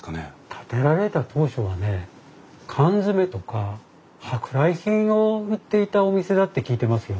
建てられた当初はね缶詰とか舶来品を売っていたお店だって聞いてますよ。